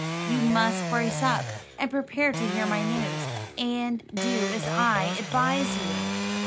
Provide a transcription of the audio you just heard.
You must brace up, and prepare to hear my news, and do as I advise you."